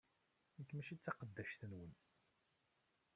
Nekk mačči d taqeddact-nwen.